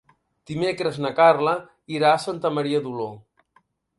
Dimecres na Carla irà a Santa Maria d'Oló.